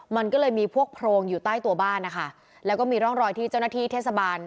มันก็เลยมีพวกโพรงอยู่ใต้ตัวบ้านนะคะแล้วก็มีร่องรอยที่เจ้าหน้าที่เทศบาล